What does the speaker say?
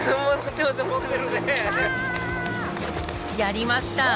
やりました！